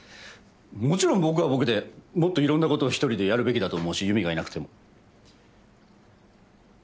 もちろん僕は僕でもっといろんな事を一人でやるべきだと思うし優美がいなくても。